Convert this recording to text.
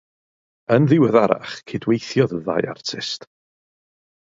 Yn ddiweddarach, cydweithiodd y ddau artist.